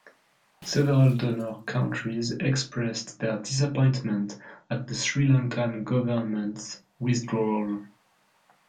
Several donor countries expressed their disappointment at the Sri Lankan government's withdrawal.